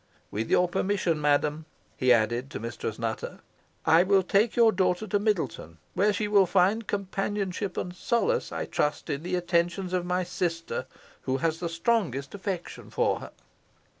With your permission, madam," he added, to Mistress Nutter, "I will take your daughter to Middleton, where she will find companionship and solace, I trust, in the attentions of my sister, who has the strongest affection for her."